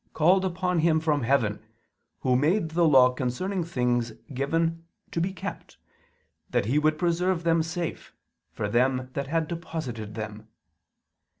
. called upon Him from heaven, Who made the law concerning things given to be kept, that He would preserve them safe, for them that had deposited them."